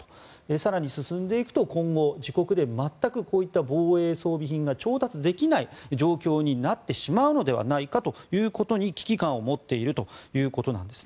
更に、進んでいくと今後、自国で全くこういった防衛装備品が調達できない状況になってしまうのではないかという危機感を持っているということなんです。